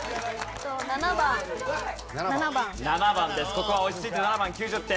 ここは落ち着いて７番９０点。